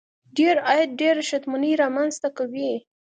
ډېر عاید ډېره شتمني رامنځته کوي.